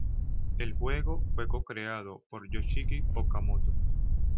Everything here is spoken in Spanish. El juego fue co-creado por Yoshiki Okamoto.